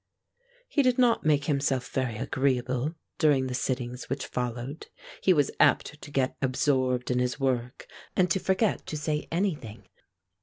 He did not make himself very agreeable during the sittings which followed. He was apt to get absorbed in his work and to forget to say anything.